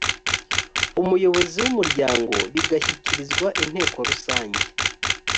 umuyobozi w umuryango bigashyikirizwa inteko rusange